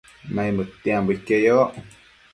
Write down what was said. Naimëdtiambo iqueyoc